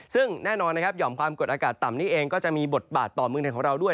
ซึ่งแน่นอนนะครับหย่อมความกดอากาศต่ำนี้เองก็จะมีบทบาทต่อเมืองไทยของเราด้วย